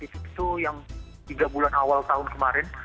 berasa positif itu yang tiga bulan awal tahun kemarin